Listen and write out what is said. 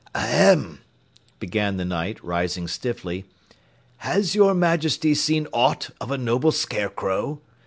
"Ahem," began the Knight, rising stiffly, "has your Majesty seen aught of a noble Scarecrow?